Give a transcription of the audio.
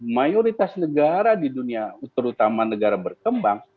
mayoritas negara di dunia terutama negara berkembang